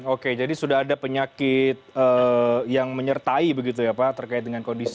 oke jadi sudah ada penyakit yang menyertai begitu ya pak terkait dengan kondisi